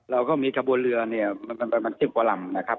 เราก็มีกระบวนเรือประมาณ๑๐กว่าลำนะครับ